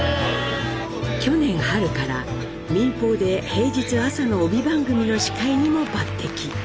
去年春から民放で平日朝の帯番組の司会にも抜てき。